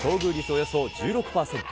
およそ１６％。